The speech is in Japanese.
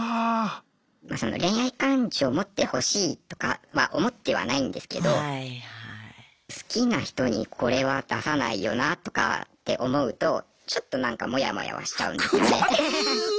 恋愛感情持ってほしいとかは思ってはないんですけど好きな人にこれは出さないよなとかって思うとちょっとなんかモヤモヤはしちゃうんですよね。